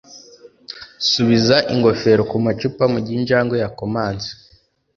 subiza ingofero kumacupa mugihe injangwe yakomanze